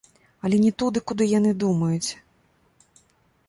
Але не туды, куды яны думаюць.